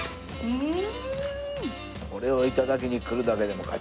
うん！